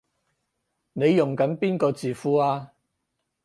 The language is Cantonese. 你用緊邊個字庫啊？